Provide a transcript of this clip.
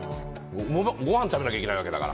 ごはん食べなきゃいけないわけだから。